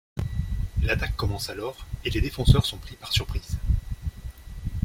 L'attaque commence alors et les défenseurs sont pris par surprise.